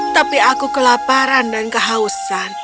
tapi aku kelaparan dan kehausan